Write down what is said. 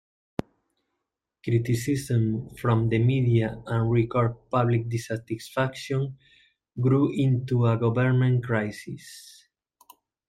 Criticism from the media and record public dissatisfaction grew into a government crisis.